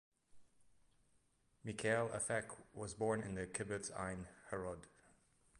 Michal Afek was born in the Kibbutz Ein Harod.